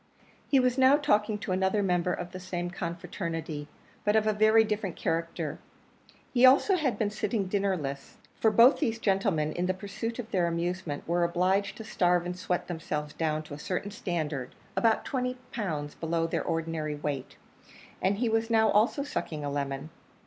He was now talking to another member of the same confraternity, but of a very different character. He also had been sitting dinnerless, for both these gentlemen, in the pursuit of their amusement, were obliged to starve and sweat themselves down to a certain standard, about twenty pounds below their ordinary weight, and he was now also sucking a lemon.